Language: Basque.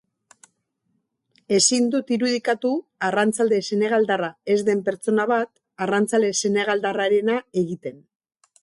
Ezin dut irudikatu arrantzale senegaldarra ez den pertsona bat arrantzale senegaldarrarena egiten.